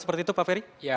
seperti itu pak ferry